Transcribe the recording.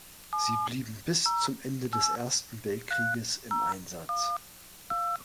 Sie blieben bis zum Ende des Ersten Weltkrieges im Einsatz.